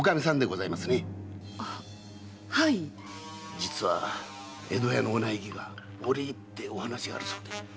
実は江戸屋のお内儀が折り入って話があるそうで。